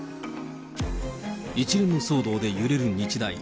一連の騒動で揺れる日大。